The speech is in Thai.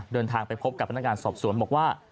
เดินทางไปพบกับพนักงานสอบสวนบอกว่า